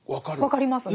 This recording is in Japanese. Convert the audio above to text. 分かりますね。